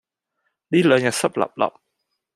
呢兩日濕立立